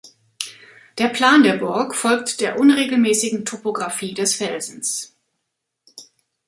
Der Plan der Burg folgt der unregelmäßigen Topographie des Felsens.